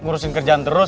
ngurusin kerjaan terus